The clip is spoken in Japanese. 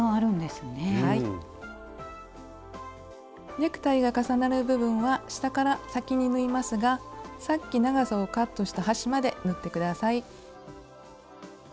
ネクタイが重なる部分は下から先に縫いますがさっき長さをカットした端まで縫って下さい。